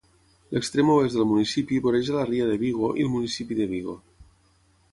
L'extrem Oest del municipi voreja la Ria de Vigo i el municipi de Vigo.